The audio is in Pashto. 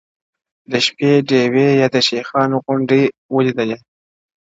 د شپې ډېوې یا د شیخانو غونډي ولیدلې -